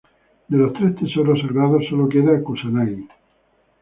De los tres tesoros sagrados, solo queda Kusanagi.